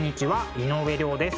井上涼です。